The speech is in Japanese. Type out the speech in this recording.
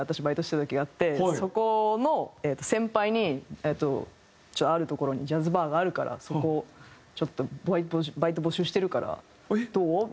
バイトしてた時があってそこの先輩にある所にジャズバーがあるからそこちょっとバイト募集してるからどう？